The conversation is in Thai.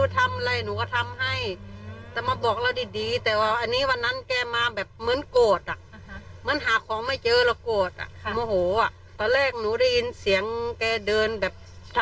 เจอเลยเธอบอกว่าเจอในนุ่มแบบนี้ครับ